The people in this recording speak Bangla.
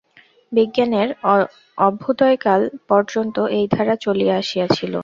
বিজ্ঞানের অভ্যুদয়কাল পর্যন্ত এই ধারা চলিয়া আসিয়াছিল।